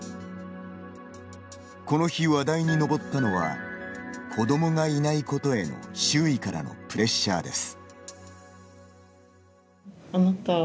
この日、話題に上ったのは子どもがいないことへの周囲からのプレッシャーです。